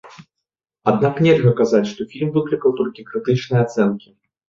Аднак нельга казаць, што фільм выклікаў толькі крытычныя ацэнкі.